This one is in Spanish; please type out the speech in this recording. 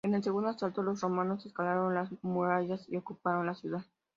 En el segundo asalto los romanos escalaron las murallas y ocuparon la ciudad.